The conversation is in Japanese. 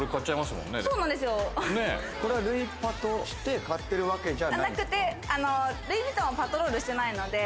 これはルイパトして買ってるじゃなくて、ルイ・ヴィトンはパトロールしてないので。